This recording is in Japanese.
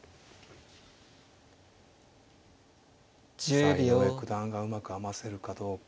さあ井上九段がうまく余せるかどうか。